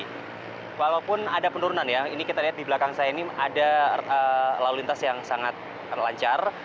jadi walaupun ada penurunan ya ini kita lihat di belakang saya ini ada lau lintas yang sangat lancar